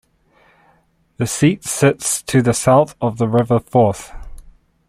The seat sits to the south of the River Forth.